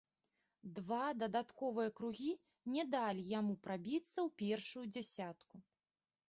Два дадатковыя кругі не далі яму прабіцца ў першую дзясятку.